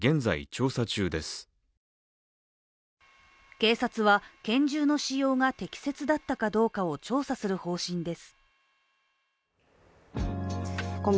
警察は拳銃の使用が適切だったかどうかを調査する方針です。